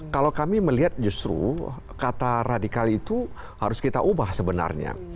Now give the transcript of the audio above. kalau kami melihat justru kata radikal itu harus kita ubah sebenarnya